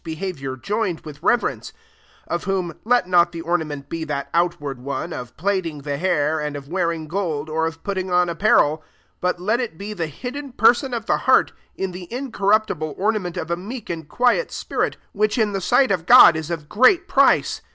3 Of whom, let not the ornament be that outward one, of plaiting the hair, and of wearing gold, or of putting on apparel ; 4 but let it de the hidden person of the heart, in the incorruptible ornament of a meek and quiet spirit, which in the sight of God is of great price.